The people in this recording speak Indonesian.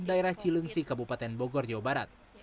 daerah cilengsi kabupaten bogor jawa barat